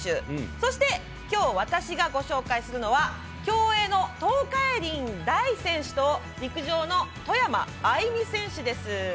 そして、きょう私がご紹介するのは、競泳の東海林大選手と陸上の外山愛美選手です。